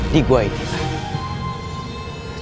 di gua itikai